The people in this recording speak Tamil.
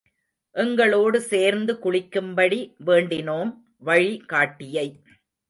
எங்களோடு சேர்ந்து குளிக்கும்படி வேண்டினோம், வழி காட்டியை.